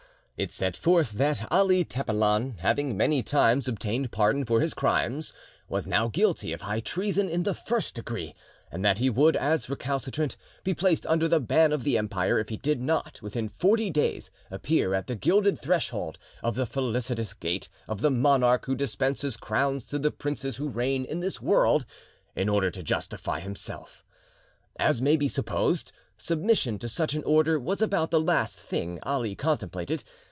It set forth that Ali Tepelen, having many times obtained pardon for his crimes, was now guilty of high treason in the first degree, and that he would, as recalcitrant, be placed under the ban of the Empire if he did not within forty days appear at the Gilded Threshold of the Felicitous Gate of the Monarch who dispenses crowns to the princes who reign in this world, in order to justify himself. As may be supposed, submission to such an order was about the last thing Ali contemplated.